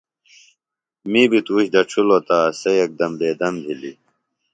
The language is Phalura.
می بیۡ تُوش دڇِھلوۡ تہ سےۡ یکدم بیدم بِھلیۡ۔